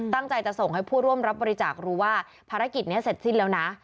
ตั้งใจจะส่งให้ผู้ร่วมรับบริจาครู้ว่าภารกิจนี้เสร็จสิ้นแล้วนะ